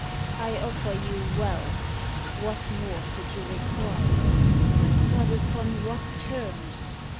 I offer you wealth. What more could you require?" "But upon what terms?"